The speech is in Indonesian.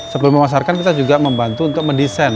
sebelum memasarkan kita juga membantu untuk mendesain